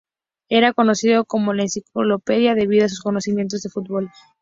Era conocido como "La enciclopedia" debido a sus conocimientos de fútbol.